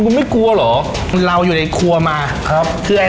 คุณไม่กลัวเหรอเราอยู่ในครัวมาครับ